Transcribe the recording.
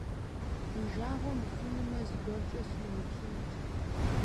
Уи жагъуэ мыхъунумэ, зыгуэркӀэ сыноупщӀынут.